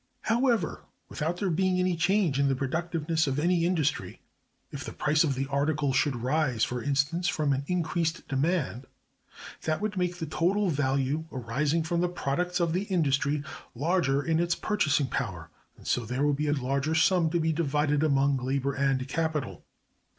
However, without there being any change in the productiveness of any industry, if the price of the article should rise, for instance, from an increased demand, that would make the total value arising from the products of the industry larger in its purchasing power, and so there would be a larger sum to be divided among labor and capital.